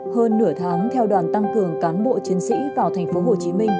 hơn nửa tháng theo đoàn tăng cường cán bộ chiến sĩ vào thành phố hồ chí minh